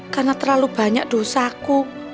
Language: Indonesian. karena terlalu banyak dosaku